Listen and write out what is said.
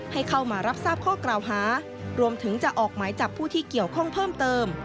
ให้เข้ามารับทราบข้อกล่าวหารวมถึงจะออกหมายจับผู้ที่เกี่ยวข้องเพิ่มเติม